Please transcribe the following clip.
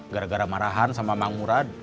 gara gara marahan sama bang murad